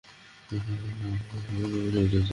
আমার মা দীর্ঘদিন আগে এটাতে অভিশাপ দিয়েছেন।